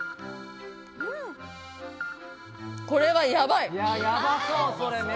これはやばい。